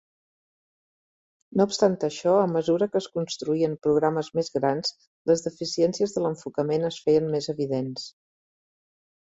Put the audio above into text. No obstant això, a mesura que es construïen programes més grans, les deficiències de l'enfocament es feien més evidents.